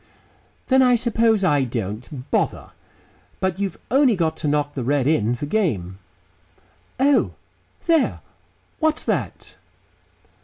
"Then I suppose I don't. Bother." "But you've only got to knock the red in for game." "Oh!... There, what's that?"